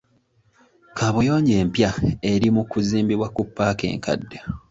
Kaabuyonjo empya eri mu kuzimbibwa ku paaka enkadde.